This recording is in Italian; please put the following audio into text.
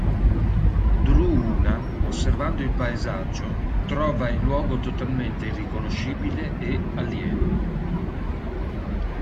Druuna osservando il paesaggio trova il luogo totalmente irriconoscibile e alieno.